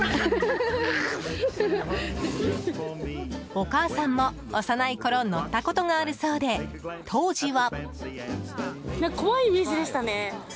お母さんも幼いころ乗ったことがあるそうで当時は。